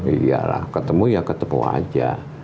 iya lah ketemu ya ketemu aja